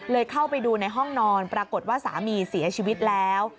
เข้าไปดูในห้องนอนปรากฏว่าสามีเสียชีวิตแล้ว